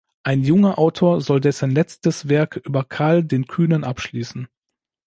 Ein junger Autor soll dessen letztes Werk über Karl, den Kühnen abschließen.